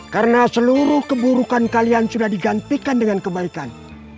karena seluruh keburukan kalian sudah digantikan dengan kebaikan